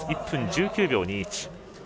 １分１９秒２１。